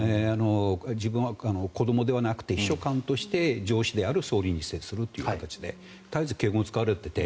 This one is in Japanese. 自分は子どもではなくて秘書官として上司である総理に接するという形で絶えず敬語を使われていて。